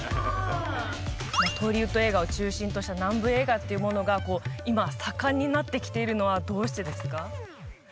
まあトリウッド映画を中心とした南部映画っていうものがこう今盛んになってきているのはどうしてですか？